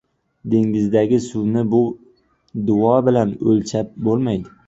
dengizdagi suvni dou bilan o‘lchab bo‘lmaydi.